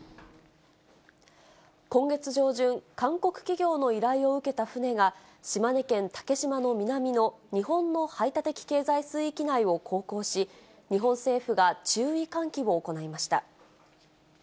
今月上旬、韓国企業の依頼を受けた船が島根県竹島の南の日本の排他的経済水域内を航行し、日本政府が注意喚起を行いました。